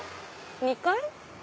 ２階？